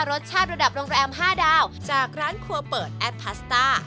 รสชาติระดับโรงแรม๕ดาวจากร้านครัวเปิดแอดพาสต้า